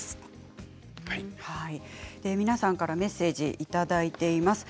皆さんからメッセージをいただいています。